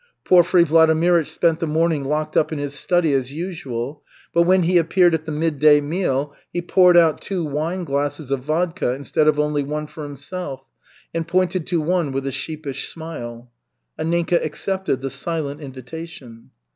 Porfiry Vladimirych spent the morning locked up in his study as usual, but when he appeared at the midday meal, he poured out two wineglasses of vodka instead of only one for himself, and pointed to one with a sheepish smile. Anninka accepted the silent invitation.